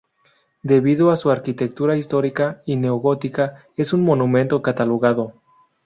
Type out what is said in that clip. Debido a su arquitectura histórica y neogótica es un monumento catalogado.